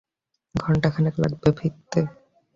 ঘন্টাখানেক লাগবে ফিরতে।